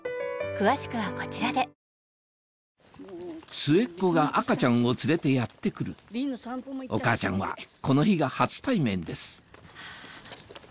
末っ子が赤ちゃんを連れてやって来るお母ちゃんはこの日が初対面です